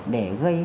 để có thể giúp đỡ